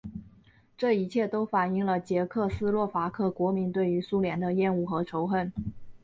这一切都反映了捷克斯洛伐克国民对于苏联的厌恶和仇恨。